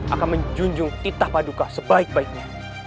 akan menjunjung titah padukah sebaik baiknya